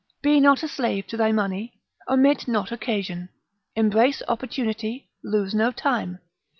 Be not a slave to thy money; omit not occasion, embrace opportunity, lose no time.